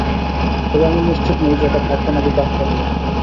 তবে আমি নিশ্চিত নই যে এটা ভাগ্য নাকি কাকতালীয়।